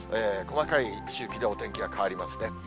細かい周期でお天気が変わりますね。